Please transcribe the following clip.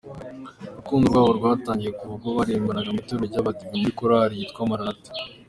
Urukundo rwabo rwatangiye kuva ubwo baririmbanaga mu itorero ry’Abadive, muri Korali yitwa Maranatha.